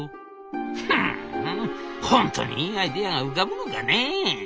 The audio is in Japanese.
「ふんホントにいいアイデアが浮かぶのかね」。